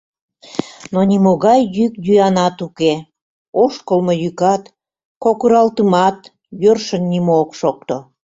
Но нимогай йӱк-йӱанат уке; ошкылмо йӱкат, кокыралтымат — йӧршын нимо ок шокто.